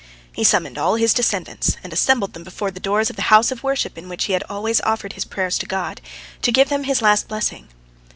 He summoned all his descendants, and assembled them before the door of the house of worship in which he had always offered his prayers to God, to give them his last blessing.